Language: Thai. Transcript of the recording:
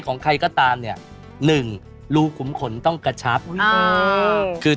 ยุบได้เป็นแห่งรับเงิน